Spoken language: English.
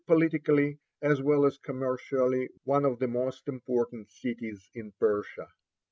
in 8i politically, as well as commercially, one of the most important cities in Persia.